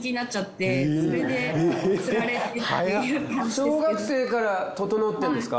小学生からととのってんですか？